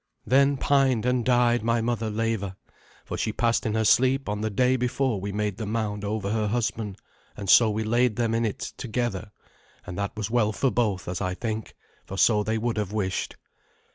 Then pined and died my mother Leva, for she passed in her sleep on the day before we made the mound over her husband, and so we laid them in it together, and that was well for both, as I think, for so they would have wished.